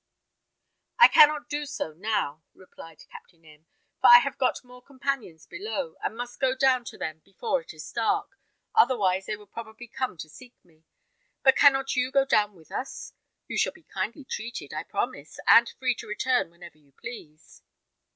"I cannot do so now," replied Captain M , "for I have got more companions below, and must go down to them before it is dark, otherwise they would probably come to seek me. But cannot you go down with us? You shall be kindly treated, I promise, and free to return whenever you please."